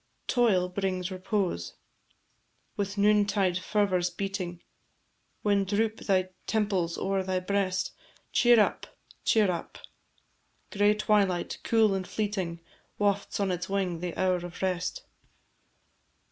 Toil brings repose: With noontide fervours beating, When droop thy temples o'er thy breast, Cheer up, cheer up; Gray twilight, cool and fleeting, Wafts on its wing the hour of rest.